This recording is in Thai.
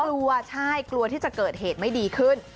กลัวใช่กลัวที่จะเกิดเหตุไม่ดีขึ้น